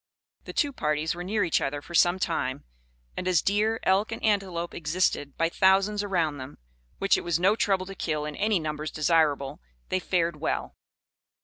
The two parties were near each other for some time, and as deer, elk, and antelope existed by thousands around them, which it was no trouble to kill in any numbers desirable, they fared well.